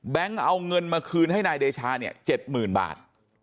แบงก์เอาเงินมาคืนให้นายเดชาเนี่ยเจ็ดหมื่นบาท